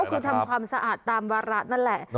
ก็คือทำความสะอาดตามวาระนั่นแหละ